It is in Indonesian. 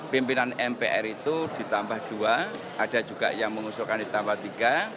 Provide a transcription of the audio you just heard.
pimpinan mpr itu ditambah dua ada juga yang mengusulkan ditambah tiga